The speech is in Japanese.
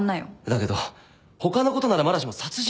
だけど他のことならまだしも殺人は